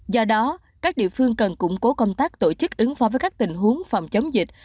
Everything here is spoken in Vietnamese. do đó các địa phương cần củng cố công tác tổ chức ứng phó với các tình huống phòng chống dịch